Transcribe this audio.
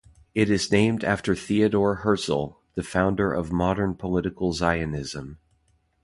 It is named after Theodor Herzl, the founder of modern political Zionism.